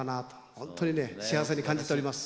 本当にね幸せに感じております。